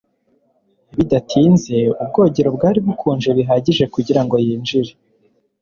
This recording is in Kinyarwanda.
bidatinze ubwogero bwari bukonje bihagije kugirango yinjire